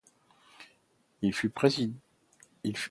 Il fut président de l'Association des dons d'organe.